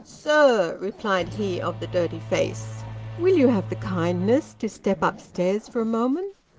" Sir !" replied he of the dirty face. " Will you have the kindness to step up stairs for a moment